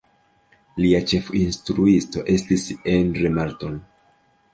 Lia ĉefinstruisto estis Endre Marton.